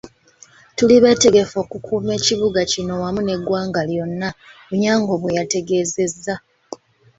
"Tuli beetegefu okukuuma ekibuga kino wamu n'eggwanga lyonna,” Onyango bwe yategeezezza.